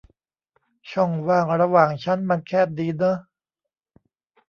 ช่องว่างระหว่างชั้นมันแคบดีเนอะ